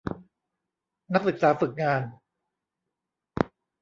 นักศึกษาฝึกงาน